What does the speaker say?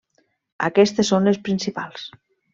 Aquestes són les principals.